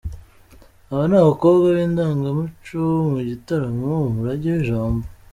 Aba ni abakobwa b’Indangamuco mu gitaramo "Umurage w’Ijambo".